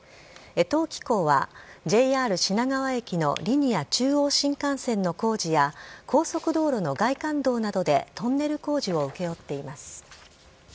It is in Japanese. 江藤機工は、ＪＲ品川駅のリニア中央新幹線の工事や、高速道路の外環道などでトンネル工事を請け負っています。